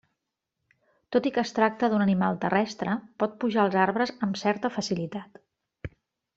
Tot i que es tracta d'un animal terrestre, pot pujar als arbres amb certa facilitat.